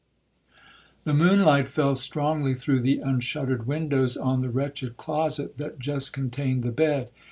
'The moon light fell strongly through the unshuttered windows on the wretched closet that just contained the bed.